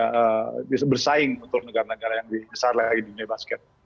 mungkin nanti di level dunia kita juga bisa bersaing untuk negara negara yang besar lagi di dunia basket